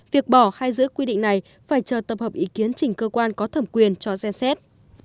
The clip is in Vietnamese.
việc bỏ hay giữ quy định này phải chờ tập hợp ý kiến chỉnh cơ quan có thẩm quyền cho xem xét